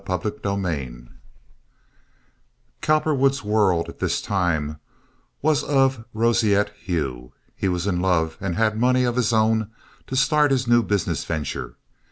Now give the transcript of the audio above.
Chapter VIII Cowperwood's world at this time was of roseate hue. He was in love and had money of his own to start his new business venture.